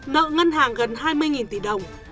nợ ngân hàng gần hai mươi tỷ đồng